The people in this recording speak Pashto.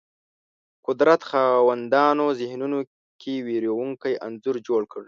قدرت خاوندانو ذهنونو کې وېرونکی انځور جوړ کړ